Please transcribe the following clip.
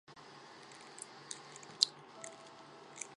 奉天城市中划出商埠地以供外国人经商居住。